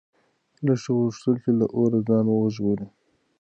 لښتې غوښتل چې له اوره ځان وژغوري.